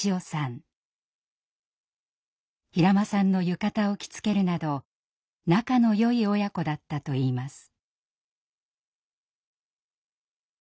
平間さんの浴衣を着付けるなど仲のよい親子だったといいます。